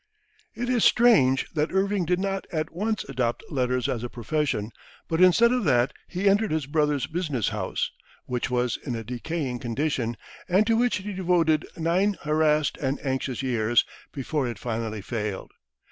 It is strange that Irving did not at once adopt letters as a profession; but instead of that, he entered his brothers' business house, which was in a decaying condition, and to which he devoted nine harassed and anxious years, before it finally failed.